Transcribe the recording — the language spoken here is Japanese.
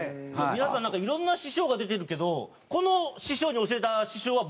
皆さんなんか色んな師匠が出てるけどこの師匠に教えた師匠は僕ですからね。